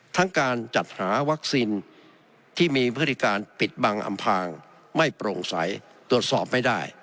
ทั้งการจัดหาวัคซีนที่มีพฤติการปิดบังอำพางไม่โปร่งใสตรวจสอบไม่ได้